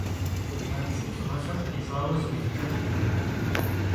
Нарчу лӀыгъэ лъэпкъ ищӀауэ зыкъилъытэжыртэкъым.